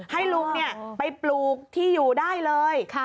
ให้ลุงไปปลูกที่อยู่ได้เลย